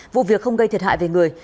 vụ việc không gây thiệt hại về người